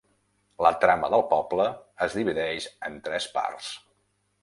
La trama del poble es divideix en tres parts.